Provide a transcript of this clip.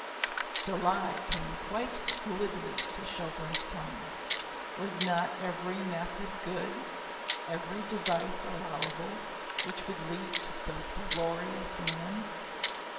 The lie came quite glibly to Chauvelin's tongue. Was not every method good, every device allowable, which would lead to so glorious an end?